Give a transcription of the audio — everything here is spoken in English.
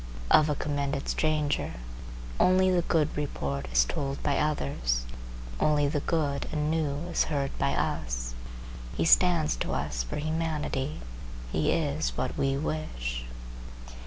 Of a commended stranger, only the good report is told by others, only the good and new is heard by us. He stands to us for humanity. He is what we wish.